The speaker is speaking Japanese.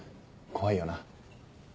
怖いよな。